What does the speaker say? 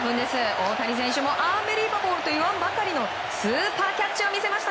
大谷選手もアンビリーバブルと言わんばかりのスーパーキャッチを見せました